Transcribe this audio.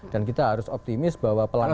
dan kita harus optimis bahwa pelanggan